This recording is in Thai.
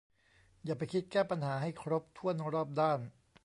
อย่าไปคิดแก้ปัญหาให้ครบถ้วนรอบด้าน